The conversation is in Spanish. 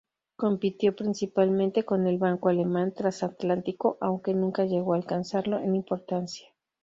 Compitió principalmente con el Banco Alemán Transatlántico, aunque nunca llegó a alcanzarlo en importancia.